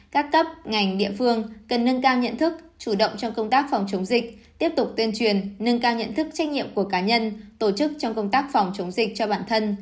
cần nâng cao nhận thức trách nhiệm của cá nhân tổ chức trong công tác phòng chống dịch cho bản thân